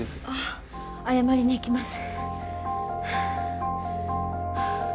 謝りに行きます。